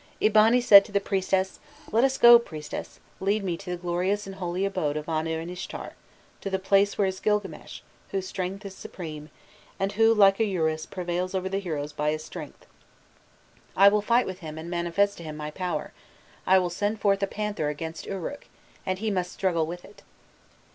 Eabani said to the priestess: "Let us go, priestess; lead me to the glorious and holy abode of Anu and Ishtar to the place where is Gilgames, whose strength is supreme, and who, like a Urus, prevails over the heroes by his strength. I will fight with him and manifest to him my power; I will send forth a panther against Uruk, and he must struggle with it."